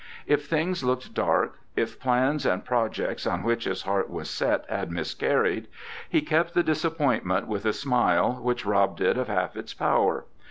If things looked dark, if plans and projects on which his heart was set had miscarried, he met the disappointment with a smile, which robbed it of half its power.